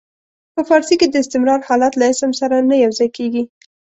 په فارسي کې د استمرار حالت له اسم سره نه یو ځای کیږي.